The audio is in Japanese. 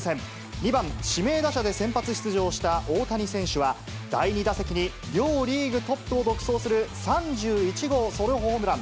２番、指名打者で先発出場した大谷選手は、第２打席に、両リーグトップを独走する３１号ソロホームラン。